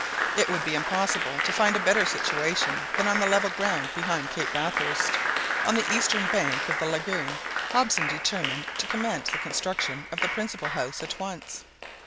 It would be impossible to find a better situation than on the level ground behind Cape Bathurst, on the eastern bank of the lagoon Hobson determined to commence the construction of the principal house at once.